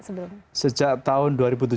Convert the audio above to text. sejak tahun dua ribu tujuh belas